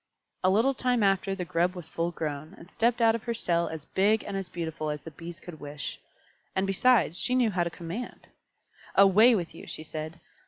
A little time after the Grub was full grown, and stepped out of her cell as big and as beautiful as the Bees could wish. And besides, she knew how to commando "Away with you!" she said.